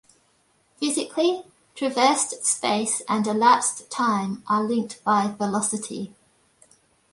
Physically, traversed space and elapsed time are linked by velocity.